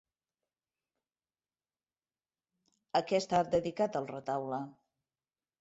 A què està dedicat el retaule?